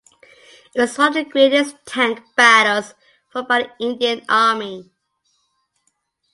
It was one of the greatest tank battles fought by the Indian Army.